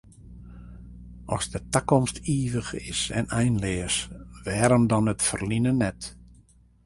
As de takomst ivich is en einleas, wêrom dan it ferline net?